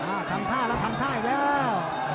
ทำท่าแล้วทำท่าอีกแล้ว